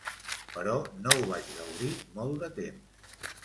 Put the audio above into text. Però no ho vaig gaudir molt de temps.